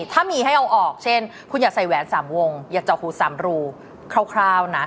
ถ้ามีให้เอาออกเช่นคุณอย่าใส่แหวน๓วงอย่าเจาะหู๓รูคร่าวนะ